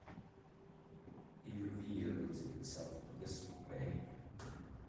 He revealed himself this way.